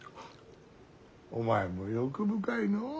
お前も欲深いのう。